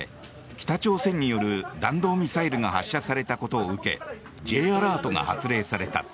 北朝鮮による弾道ミサイルが発射されたことを受けＪアラートが発令された。